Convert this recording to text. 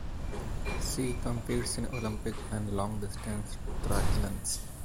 She competes in Olympic and Long Distance Triathlons.